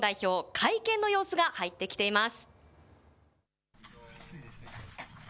会見の様子が入ってきています。